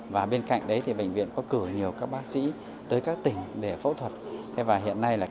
và bên cạnh đấy thì bệnh viện có cử nhiều các bác sĩ tới các tỉnh